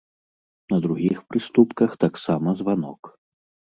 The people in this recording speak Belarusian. На другіх прыступках таксама званок.